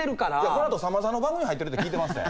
このあと、さんまさんの番組入ってるって聞いてますで。